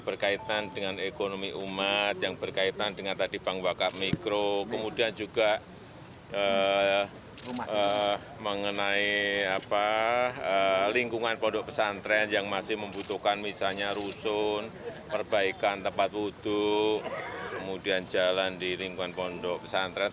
berhentikan kemudian jalan di lingkungan pondok pesantren